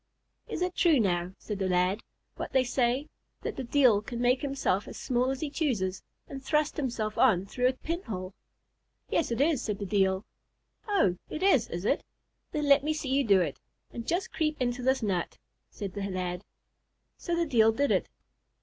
"Is it true, now," said the lad, "what they say, that the Deil can make himself as small as he chooses, and thrust himself on through a pinhole?" "Yes, it is," said the Deil. "Oh! it is, is it? then let me see you do it, and just creep into this nut," said the lad. So the Deil did it.